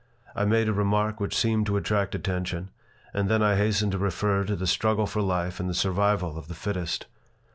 I made a remark which seemed to attract attention and then I hastened to refer to the struggle for life and the survival of the fittest.